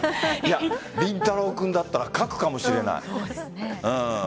凛太郎君だったら書くかもしれない。